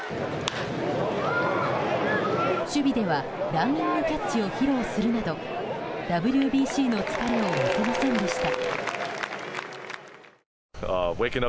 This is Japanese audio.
守備ではランニングキャッチを披露するなどＷＢＣの疲れを見せませんでした。